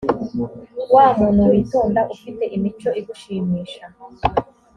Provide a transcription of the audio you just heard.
wa muntu witonda ufite imico igushimisha